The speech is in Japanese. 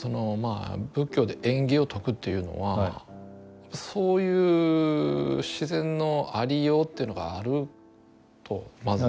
あ仏教で縁起を説くというのはそういう自然のありようというのがあるとまず。